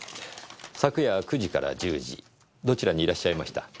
昨夜９時から１０時どちらにいらっしゃいました？